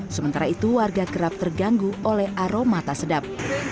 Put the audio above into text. sementara itu warga kerap terganggu oleh aroma tak sedap